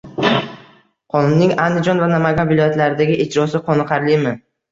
Qonunning Andijon va Namangan viloyatlaridagi ijrosi qoniqarlimi?